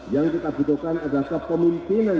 yang kita butuhkan adalah kepemimpinan